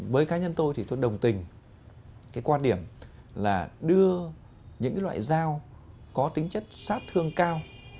với cá nhân tôi thì tôi đồng tình cái quan điểm là đưa những loại dao có tính chất sát thương cao